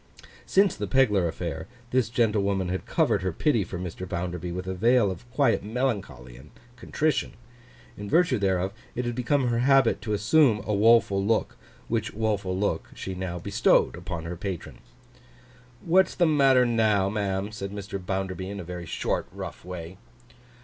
Since the Pegler affair, this gentlewoman had covered her pity for Mr. Bounderby with a veil of quiet melancholy and contrition. In virtue thereof, it had become her habit to assume a woful look, which woful look she now bestowed upon her patron. 'What's the matter now, ma'am?' said Mr. Bounderby, in a very short, rough way.